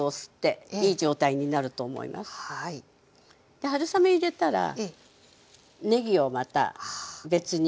で春雨入れたらねぎをまた別にね。